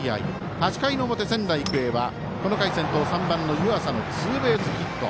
８回の表、仙台育英はこの回先頭の３番、湯浅のツーベースヒット。